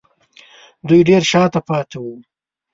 دوی ډېر شا ته پاتې وو